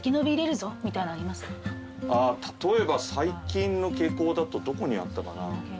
例えば最近の傾向だとどこにあったかな。